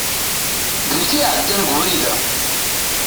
D nekk i iɛeddan g ubrid-a.